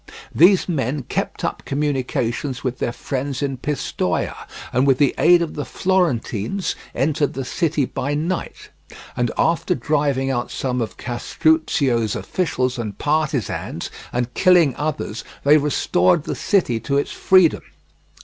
These men kept up communications with their friends in Pistoia, and with the aid of the Florentines entered the city by night, and after driving out some of Castruccio's officials and partisans, and killing others, they restored the city to its freedom.